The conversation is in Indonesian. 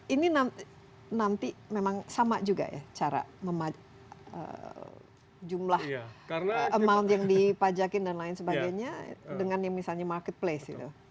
ini nanti memang sama juga ya cara jumlah amount yang dipajakin dan lain sebagainya dengan yang misalnya marketplace itu